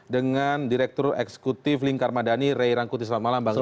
dengan direktur eksekutif lingkarmadani rey rangkuti selamat malam bang rey